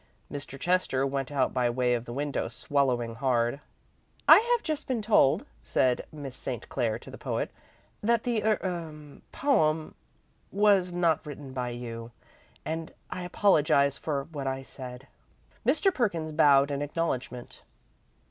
Mr. Chester went out by way of the window, swallowing hard. "I have just been told," said Miss St. Clair to the poet, "that the er poem was not written by you, and I apologise for what I said." Mr. Perkins bowed in acknowledgment.